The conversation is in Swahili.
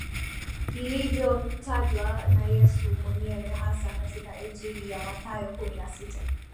lilivyotajwa na Yesu mwenyewe hasa katika Injili ya Mathayo kumi na sita